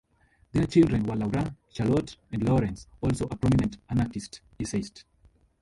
Their children were Laura, Charlotte, and Laurance, also a prominent anarchist essayist.